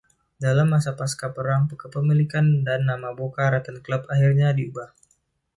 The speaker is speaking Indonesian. Dalam masa pasca perang, kepemilikan dan nama Boca Raton Club akhirnya diubah.